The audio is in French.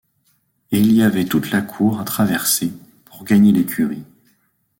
Et il y avait toute la cour à traverser, pour gagner l’écurie.